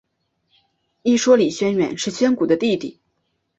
一说李宣远是宣古的弟弟。